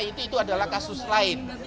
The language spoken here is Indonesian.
itu adalah kasus lain